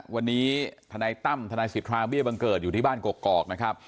วันนี้ทนายตั้มทนายสิทธาเบี้ยบังเกิดอยู่ที่บ้านกกอกนะครับ